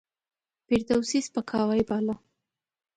فردوسي سپکاوی باله.